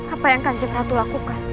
apa yang kanjeng ratu lakukan